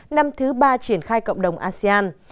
năm thứ ba triển khai cộng đồng asean